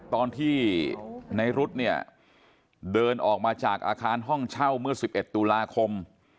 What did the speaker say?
ตอนที่ในรุ๊ดเนี่ยเดินออกมาจากอาคารห้องเช่าเมื่อ๑๑ตุลาคม